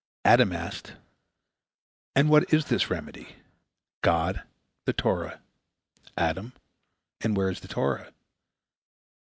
Adam asked, "And what is this remedy?" God: "The Torah." Adam: "And where is the Torah?"